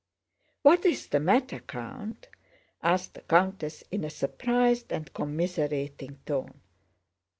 "What is the matter, Count?" asked the countess in a surprised and commiserating tone.